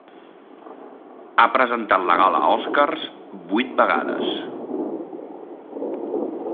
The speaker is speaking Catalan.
Ha presentat la gala Oscars vuit vegades.